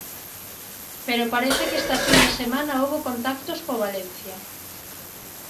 Pero parece que esta fin de semana houbo contactos co Valencia.